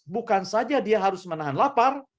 bukan saja dia harus menahan lapar